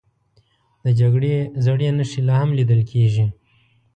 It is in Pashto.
د جګړې زړې نښې لا هم لیدل کېږي.